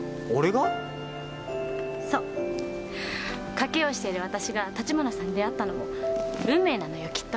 賭けをしてる私が立花さんに出会ったのも運命なのよきっと。